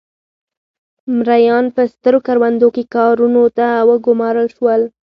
مریان په سترو کروندو کې کارونو ته وګومارل شول.